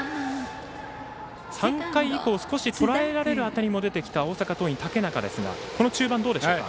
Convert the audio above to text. ３回以降、少しとらえられる当たりも出てきた大阪桐蔭の竹中ですがこの中盤、どうでしょうか。